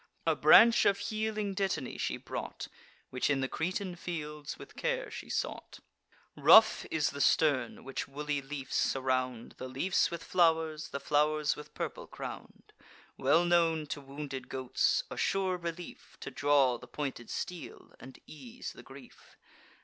A branch of healing dittany she brought, Which in the Cretan fields with care she sought: Rough is the stem, which woolly leafs surround; The leafs with flow'rs, the flow'rs with purple crown'd, Well known to wounded goats; a sure relief To draw the pointed steel, and ease the grief.